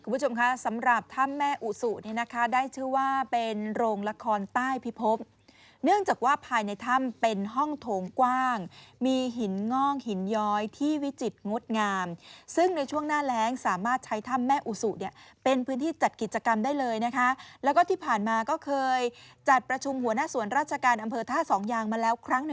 คุณผู้ชมคะสำหรับถ้ำแม่อุสุเนี่ยนะคะได้ชื่อว่าเป็นโรงละครใต้พิพบเนื่องจากว่าภายในถ้ำเป็นห้องโถงกว้างมีหินงอกหินย้อยที่วิจิตรงดงามซึ่งในช่วงหน้าแรงสามารถใช้ถ้ำแม่อุสุเนี่ยเป็นพื้นที่จัดกิจกรรมได้เลยนะคะแล้วก็ที่ผ่านมาก็เคยจัดประชุมหัวหน้าสวนราชการอำเภอท่าสองยางมาแล้วครั้งหนึ่ง